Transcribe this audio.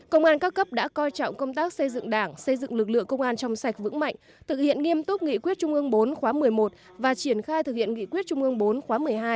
công an các cấp đã coi trọng công tác xây dựng đảng xây dựng lực lượng công an trong sạch vững mạnh thực hiện nghiêm túc nghị quyết trung ương bốn khóa một mươi một và triển khai thực hiện nghị quyết trung ương bốn khóa một mươi hai